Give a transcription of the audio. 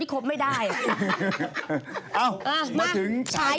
พี่หนิงมาบ่อยนะคะชอบเห็นมั้ยดูมีสาระหน่อย